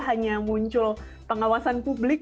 hanya muncul pengawasan publik